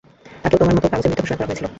তাকেও তোমার মতো কাগজে মৃত ঘোষণা করা হয়েছিলো।